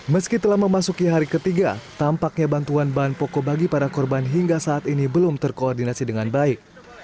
meski telah memasuki hari ketiga tampaknya bantuan bahan pokok bagi para korban hingga saat ini belum terkoordinasi dengan baik